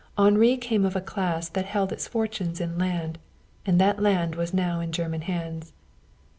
Henri came of a class that held its fortunes in land, and that land was now in German hands.